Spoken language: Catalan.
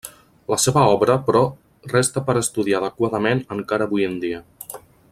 La seva obra però resta per estudiar adequadament encara avui en dia.